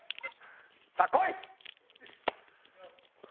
さあこい！